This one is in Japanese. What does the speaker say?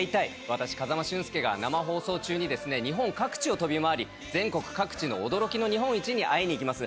私風間俊介が生放送中に日本各地を飛び回り全国各地の驚きの日本一に会いに行きます